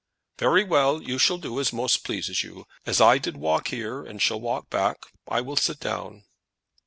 "Very well; you shall do as most pleases you. As I did walk here, and shall walk back, I will sit down."